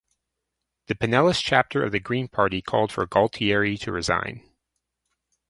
The Pinellas chapter of the Green Party called for Gualtieri to resign.